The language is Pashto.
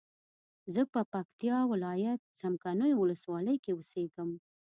زه په پکتیا ولایت څمکنیو ولسوالۍ کی اوسیږم